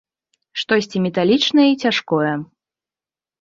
Штосьці металічнае і цяжкое!